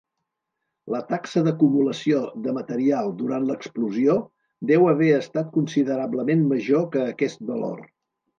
La taxa d'acumulació de material durant l'explosió deu haver estat considerablement major que aquest valor.